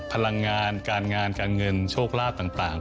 พลังงานการงานการเงินโชคลาภต่าง